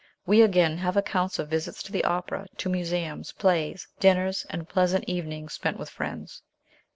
We, again, have accounts of visits to the opera, to museums, plays, dinners, and pleasant evenings spent with friends.